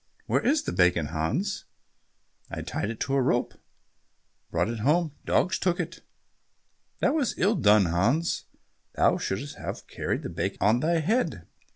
"Where is the bacon, Hans?" "I tied it to a rope, brought it home, dogs took it." "That was ill done, Hans, thou shouldst have carried the bacon on thy head."